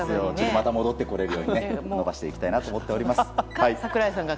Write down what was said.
また戻ってこられるように伸ばしていきたいなと思っています。